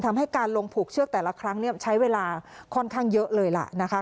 ทำให้การลงผูกเชือกแต่ละครั้งใช้เวลาค่อนข้างเยอะเลยล่ะนะคะ